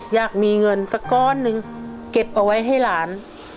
อยากมีเงินสักก้อนหนึ่งเก็บเอาไว้ให้หลาน